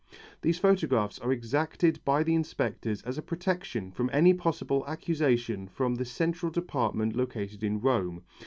These photographs are exacted by the inspectors as a protection from any possible accusation from the central department located in Rome.